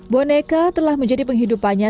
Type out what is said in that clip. boneka telah menjadi penghidupannya